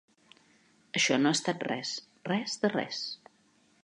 Això no ha estat res, res de res.